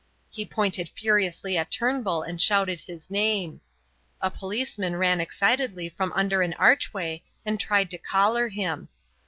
He pointed furiously at Turnbull and shouted his name. A policeman ran excitedly from under an archway and tried to collar him.